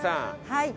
はい。